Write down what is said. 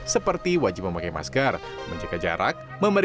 seperti wajib memakai masker menjaga jarak